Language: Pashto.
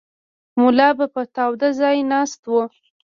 ملا به په تاوده ځای ناست و.